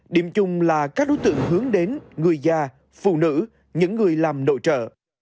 điểm chung là các đối tượng hướng đến người già phụ nữ những người làm nội trợ